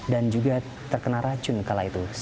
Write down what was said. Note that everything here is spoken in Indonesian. dan juga terkena racun kala itu